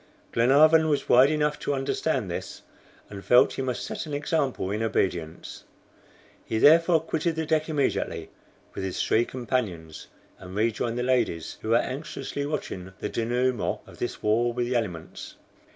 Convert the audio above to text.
Glenarvan was wise enough to understand this, and felt he must set an example in obedience. He therefore quitted the deck immediately with his three companions, and rejoined the ladies, who were anxiously watching the DENOUEMENT of this war with the elements.